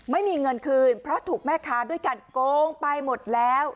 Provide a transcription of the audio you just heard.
ไม่มีเงินคืนเพราะถูกแม่ค้าด้วยกันโกงไปหมดแล้ว